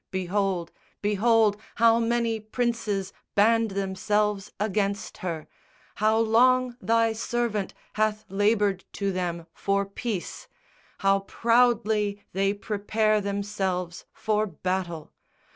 Behold, behold, How many princes band themselves against her, How long Thy servant hath laboured to them for peace, How proudly they prepare themselves for battle!